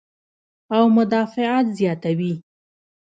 او مدافعت زياتوي -